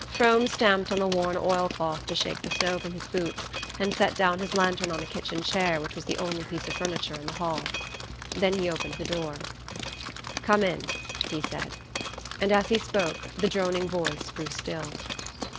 Frome stamped on the worn oil cloth to shake the snow from his boots, and set down his lantern on a kitchen chair which was the only piece of furniture in the hall. Then he opened the door. "Come in," he said; and as he spoke the droning voice grew still...